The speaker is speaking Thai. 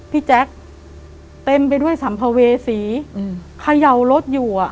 แจ๊คเต็มไปด้วยสัมภเวษีอืมเขย่ารถอยู่อ่ะ